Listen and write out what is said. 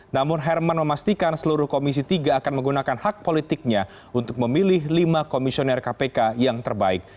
namun herman memastikan seluruh komisi tiga akan menggunakan hak politiknya untuk memilih lima komisioner kpk yang terbaik